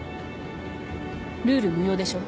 ルール無用でしょ？